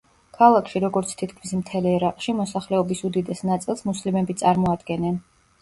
ქალაქში, როგორც თითქმის მთელ ერაყში, მოსახლეობის უდიდეს ნაწილს მუსლიმები წარმოადგენენ.